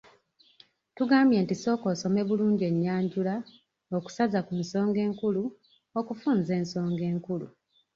Tugambye nti sooka osome bulungi ennyanjula, okusaza ku nsonga enkulu, okufunza ensonga enkulu.